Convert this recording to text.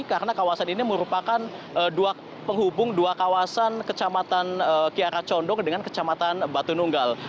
karena kawasan ini merupakan dua penghubung dua kawasan kecamatan kiara condong dengan kecamatan batu nunggal